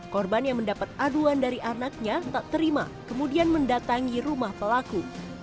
korban yang mendapat aduan dari anaknya tak terima kemudian mendatangi rumah pelaku